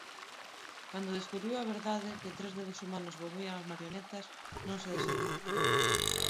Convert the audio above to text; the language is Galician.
Cando descubriu a verdade, que tres dedos humanos movían as marionetas, non se desencantou;